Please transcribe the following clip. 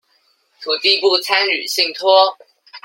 土地不參與信託